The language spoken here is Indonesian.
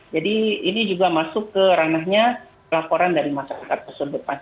jadi ini juga masuk ke ranahnya laporan dari masyarakat pesudut pas